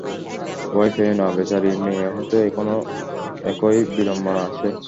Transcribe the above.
ভয় পেয়ো না, বেচারি মেয়ে হয়তো এখন একই বিড়ম্বনা আছে।